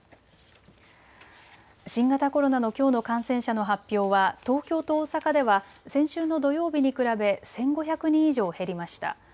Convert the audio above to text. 新型コロナのきょうの感染者の発表は東京と大阪では先週の土曜日に比べ１５００人以上減りました。